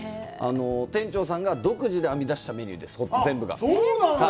店長さんが独自で編み出したメニューです、全部が。